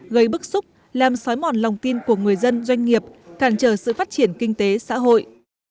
gây bức xúc làm xói mòn lòng tin của người dân doanh nghiệp cản trở sự phát triển kinh tế xã hội